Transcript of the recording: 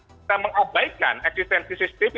kita mengabaikan eksistensi cctv